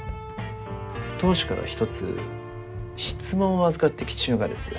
当主から一つ質問を預かってきちゅうがです。